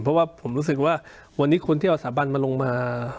เพราะว่าผมรู้สึกว่าวันนี้คนที่เอาสถาบันมาลงมา